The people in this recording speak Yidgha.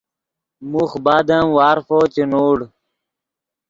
موخ بعد ام وارفو چے نوڑ